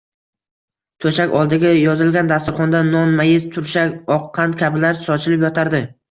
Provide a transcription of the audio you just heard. To‘shak oldiga yozilgan dasturxonda non, mayiz, turshak, oqqand kabilar sochilib yotardi